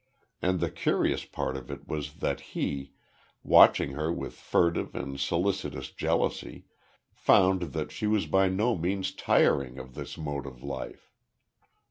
And the curious part it of was that he, watching her with furtive and solicitous jealousy, found that she was by no means tiring of this mode of life.